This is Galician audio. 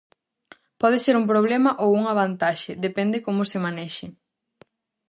Pode ser un problema ou unha vantaxe, depende como se manexe.